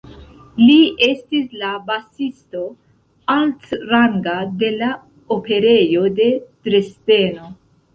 Li estis la basisto altranga de la Operejo de Dresdeno.